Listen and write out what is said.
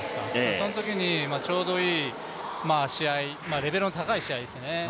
そのときにちょうどいい試合レベルの高い試合ですね